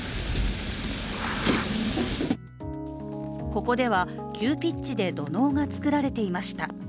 ここでは、急ピッチで土のうが作られていました。